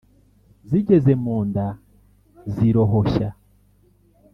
Zigeze mu nda zirohoshya